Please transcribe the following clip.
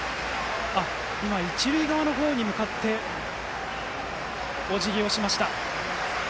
今、一塁側の方に向かっておじぎをしました。